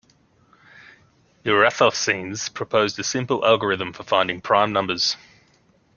Eratosthenes proposed a simple algorithm for finding prime numbers.